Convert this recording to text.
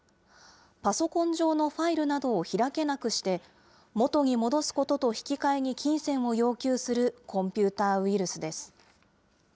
パソコン上のファイルなどを開けなくして、元に戻すことと引き換えに金銭を要求するコンピューターウイルスです。